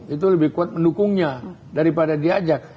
itu lebih kuat mendukungnya daripada diajak